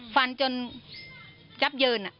ฟันจนจับยืนอ่ะ